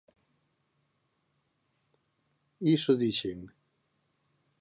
Iso dixen.